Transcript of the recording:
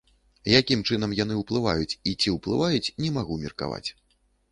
Якім чынам яны ўплываюць і ці ўплываюць, не магу меркаваць.